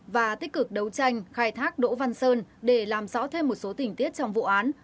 và tích cực đấu tranh khai thác đỗ văn sơn để làm rõ thêm một số tình tiết trong vụ án